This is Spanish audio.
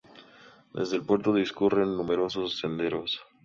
Desde el puerto discurren numerosos senderos.